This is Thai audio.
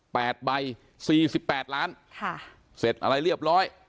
แปดใบสี่สิบแปดล้านค่ะเสร็จอะไรเรียบร้อย